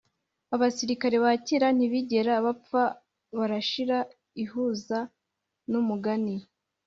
abasirikare bakera ntibigera bapfa, barashira. ihuza n'umugani